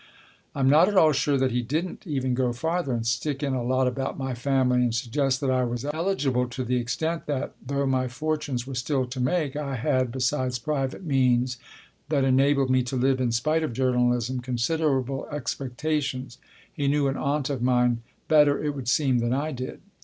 I'm not at all sure that he didn't even go farther and stick in a lot about my family, and suggest that I was eligible to the extent that, though my fortunes were still to make, I had (besides private means that enabled me to live in spite of journalism) considerable expectations (he knew an aunt of mine better, it would seem, than I did).